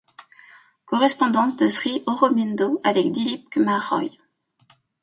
Correspondance de Sri Aurobindo avec Dilip Kumar Roy.